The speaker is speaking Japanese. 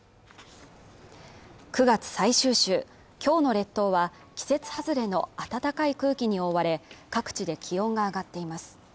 ９月最終週今日の列島は季節外れの暖かい空気に覆われ各地で気温が上がっています